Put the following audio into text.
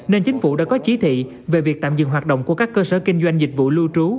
nên chính phủ đã có chỉ thị về việc tạm dừng hoạt động của các cơ sở kinh doanh dịch vụ lưu trú